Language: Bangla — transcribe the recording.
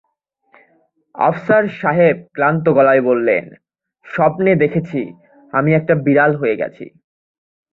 আফসার সাহেব ক্লান্ত গলায় বললেন, স্বপ্নে দেখেছি, আমি একটা বিড়াল হয়ে গেছি।